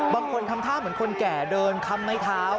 บางคนทำภาพเหมือนคนแก่เดินคำไม้เท้า